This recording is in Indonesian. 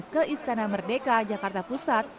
ke istana merdeka jakarta pusat